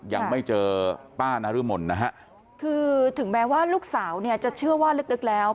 ยังไม่เจอป้านรมนนะฮะคือถึงแม้ว่าลูกสาวเนี่ยจะเชื่อว่าลึกแล้ว